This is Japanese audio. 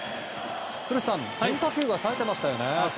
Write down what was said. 古田さん変化球が冴えていましたね。